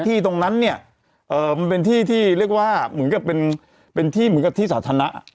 ที่ตรงนั้นเนี่ยมันเป็นที่ที่เรียกว่าเหมือนกับเป็นที่เหมือนกับที่สาธารณะ